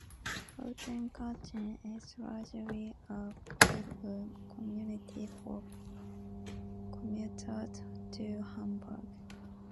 Kaltenkirchen is largely a bedroom community for commuters to Hamburg.